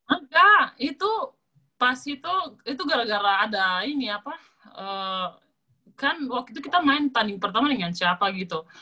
enggak itu pas itu itu gara gara ada ini apa kan waktu itu kita main tanding pertama dengan siapa gitu